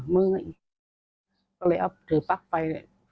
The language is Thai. มื้อไงก็เลยเอาถือปั๊กไป